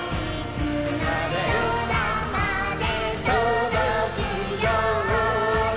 「そらまでとどくように」